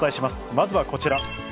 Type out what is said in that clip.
まずはこちら。